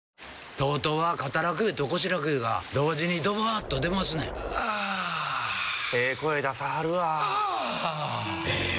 ＴＯＴＯは肩楽湯と腰楽湯が同時にドバーッと出ますねんあええ声出さはるわあええ